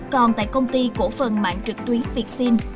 còn tại công ty cổ phần mạng trực tuyến vietsyn